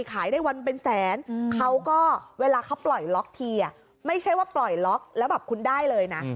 ขายได้วันเป็นแสนเขาก็เวลาเขาปล่อยล็อกทีไม่ใช่ว่าปล่อยล็อกแล้วแบบคุณได้เลยนะ